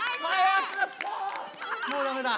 もうダメだ。